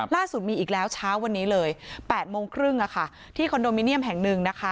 ล่าสุดมีอีกแล้วเช้าวันนี้เลย๘โมงครึ่งที่คอนโดมิเนียมแห่งหนึ่งนะคะ